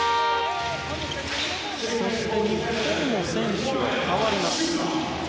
そして日本の選手が代わります。